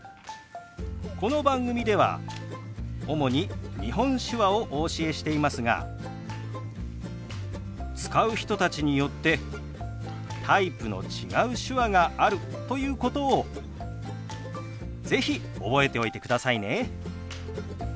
この番組では主に日本手話をお教えしていますが使う人たちによってタイプの違う手話があるということを是非覚えておいてくださいね。